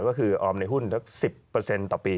ก็คือออมในหุ้น๑๐ต่อปี